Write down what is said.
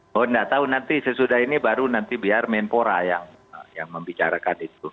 bahwa tidak tahu nanti sesudah ini baru nanti biar menpora yang membicarakan itu